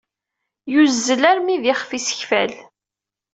Yuzzel armi d ixef isekfal.